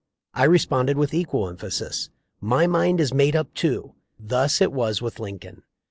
I responded with equal emphasis, 'My mind is made up too.' " Thus it was with Lin coln.